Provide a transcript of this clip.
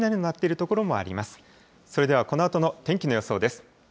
それではこのあとの天気の予想です。